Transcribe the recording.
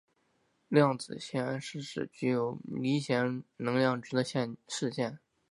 量子阱是指具有离散能量值的势阱。